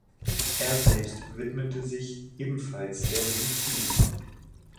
Er selbst widmete sich ebenfalls der Medizin.